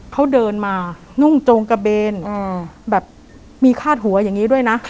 เขาเดินมานุ่งโจงกระเบนแบบมีคาดหัวอย่างนี้ด้วยนะ